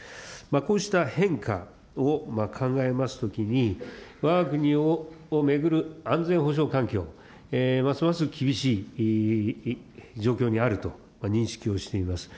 こうした変化を考えますときに、わが国を巡る安全保障環境、ますます厳しい状況にあると認識をしています。